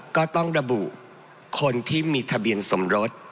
ก็ต้องระบุคนที่มีทะเบียนสมรส